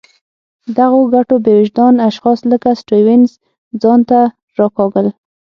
دغو ګټو بې وجدان اشخاص لکه سټیونز ځان ته راکاږل.